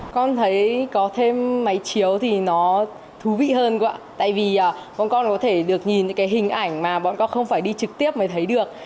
con thấy có thêm máy chiếu thì nó thú vị hơn ạ tại vì bọn con có thể được nhìn những cái hình ảnh mà bọn con không phải đi trực tiếp mới thấy được